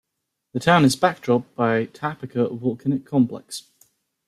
The town is backdropped by Taapaca volcanic complex.